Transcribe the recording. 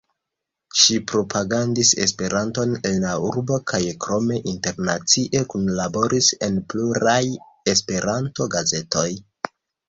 Ŝi propagandis Esperanton en la urbo kaj krome internacie kunlaboris en pluraj Esperanto-gazetoj.